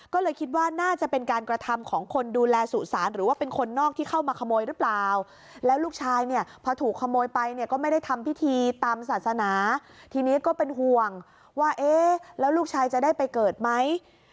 ก็เลยคิดว่าน่าจะเป็นการกระทำของคนดูแลสุสานหรือว่าเป็นคนนอกที่เข้ามาขโมยหรือเปล่าแล้วลูกชายเนี่ยพอถูกขโมยไปเนี่ยก็ไม่ได้ทำพิธีตามศาสนาทีนี้ก็เป็นห่วงว่าเอ๊ะแล้วลูกชายจะได้ไปเกิดไหม